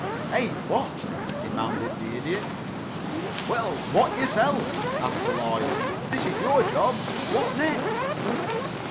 "Eh! What?" demanded the Idiot. "Well what yourself?" asked the Lawyer. "This is your job. What next?"